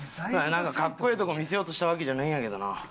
なんか格好ええとこ見せようとしたわけじゃないんやけどな。